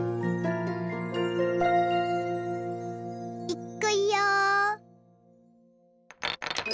いくよ。